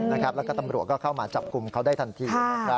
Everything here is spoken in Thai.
แล้วก็ตำรวจก็เข้ามาจับกลุ่มเขาได้ทันที